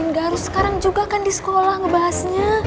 gak harus sekarang juga kan di sekolah ngebahasnya